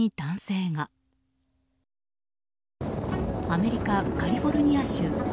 アメリカ・カリフォルニア州。